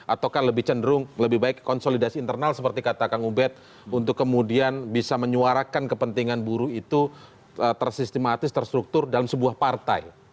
ataukah lebih cenderung lebih baik konsolidasi internal seperti kata kang ubed untuk kemudian bisa menyuarakan kepentingan buruh itu tersistematis terstruktur dalam sebuah partai